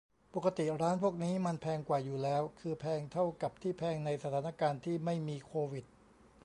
ปกติร้านพวกนี้มันแพงกว่าอยู่แล้ว คือแพงเท่ากับที่แพงในสถานการณ์ที่ไม่มีโควิด